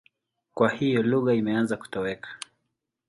Kwa hiyo lugha imeanza kutoweka.